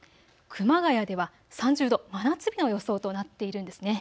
熊谷では３０度、真夏日の予想となっているんですね。